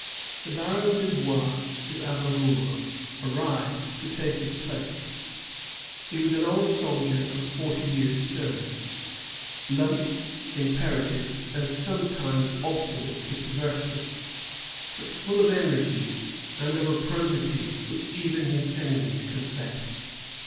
The Baron Dubois d'Avaugour arrived to take his place. He was an old soldier of forty years' service,^ blunt, imperative, and sometimes obstinate to per verseness, but full of energy, and of a probity which even his enemies confessed.